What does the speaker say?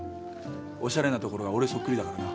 おしゃれなところが俺そっくりだからな。